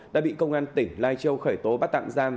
đã bị công an tỉnh lai châu khởi tố bắt tạm giam